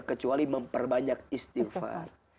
kecuali memperbanyak istighfar